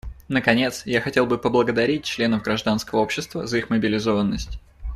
Наконец, я хотел бы поблагодарить членов гражданского общества за их мобилизованность.